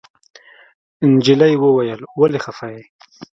نجلۍ وويل ولې خپه يې.